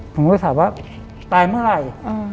ผมก็เลยถามว่าตายเมื่อไหร่